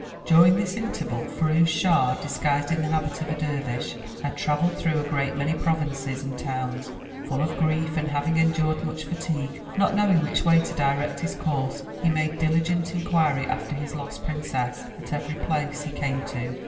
During this interval, Firouz Schah disguised in the habit of a dervish, had traveled through a great many provinces and towns, full of grief and having endured much fatigue, not know ing which way to direct his course. He made diligent inquiry after his lost princess at every place he came to.